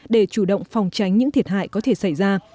để chủ động phòng tránh những thiệt hại có thể xảy ra